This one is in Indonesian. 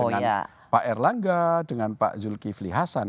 dengan pak erlangga dengan pak zulkifli hasan